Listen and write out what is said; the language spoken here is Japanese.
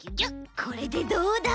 これでどうだ？